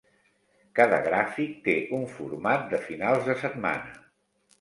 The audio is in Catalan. Cada gràfic té un format de finals de setmana.